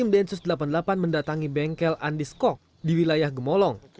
densus delapan puluh delapan mendatangi bengkel andi skok di wilayah gemolong